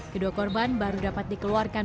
kedua korban baru dapat dikeluarkan